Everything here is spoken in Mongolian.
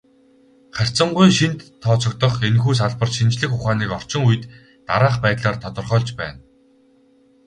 Харьцангуй шинэд тооцогдох энэхүү салбар шинжлэх ухааныг орчин үед дараах байдлаар тодорхойлж байна.